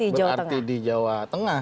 tidak masuk berarti di jawa tengah